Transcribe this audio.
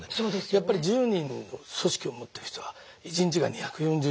やっぱり１０人の組織を持ってる人は一日が２４０時間。